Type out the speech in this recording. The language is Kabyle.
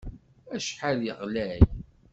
Acḥal ɣlay!